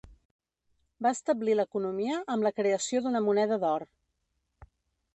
Va establir l'economia amb la creació d'una moneda d'or.